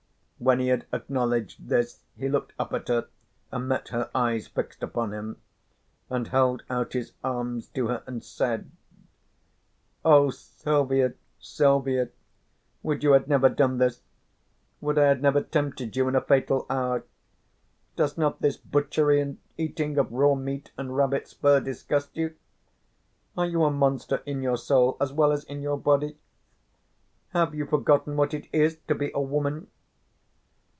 When he had acknowledged this he looked up at her and met her eyes fixed upon him, and held out his arms to her and said: "Oh Silvia, Silvia, would you had never done this! Would I had never tempted you in a fatal hour! Does not this butchery and eating of raw meat and rabbit's fur disgust you? Are you a monster in your soul as well as in your body? Have you forgotten what it is to be a woman?"